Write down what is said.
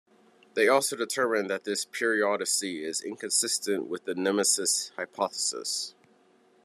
They also determined that this periodicity is inconsistent with the Nemesis hypothesis.